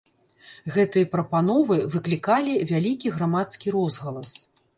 Гэтыя прапановы выклікалі вялікі грамадскі розгалас.